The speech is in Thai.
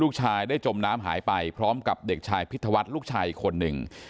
ลูกชายได้จมน้ำหายไปพร้อมกับเด็กชายพิธวัฒน์ลูกชายอีกคนหนึ่ง